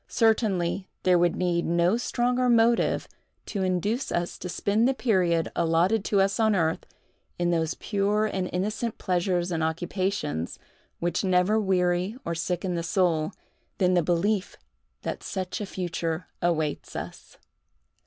Certainly, there would need no stronger motive to induce us to spend the period allotted to us on earth, in those pure and innocent pleasures and occupations, which never weary or sicken the soul, than the belief that such a future awaits us!